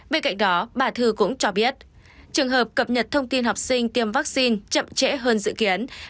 bên cạnh đó bà thư cũng cho biết trường hợp cập nhật thông tin học sinh tiêm vaccine chậm trễ hơn dự kiến